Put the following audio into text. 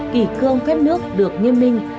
kỳ cương phép nước được nghiêm minh